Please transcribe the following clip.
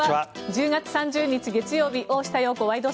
１０月３０日、月曜日「大下容子ワイド！